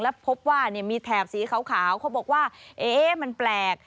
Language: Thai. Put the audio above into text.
แล้วพบว่าเนี่ยมีแถบสีขาวเขาบอกว่าเอ๊ะมันแปลก